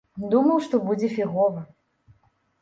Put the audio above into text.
Думаў, што будзе фігова.